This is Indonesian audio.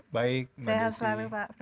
baik sehat selalu pak